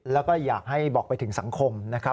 แล้วก็อยากให้บอกไปถึงสังคมนะครับ